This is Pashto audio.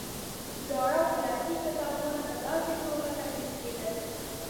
زاړه او کلاسیک کتابونه په داسې توګه تدریس کېدل.